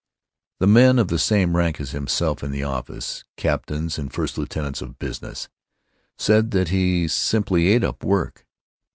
The men of the same rank as himself in the office, captains and first lieutenants of business, said that he "simply ate up work."